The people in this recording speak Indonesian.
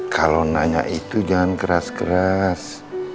kalau nanya itu jangan keras keras